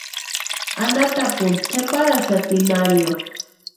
Anhatapuni tʼeparaxati Mario.